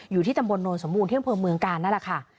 อยู่ที่ตำบลโนนสมบูรณที่อำเภอเมืองกาลนั่นแหละค่ะ